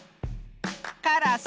カラス。